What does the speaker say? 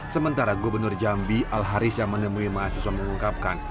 sementara gubernur jambi alharis yang menemui mahasiswa mengungkapkan